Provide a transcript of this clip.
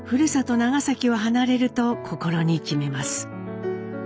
長崎を離れると心に決めます。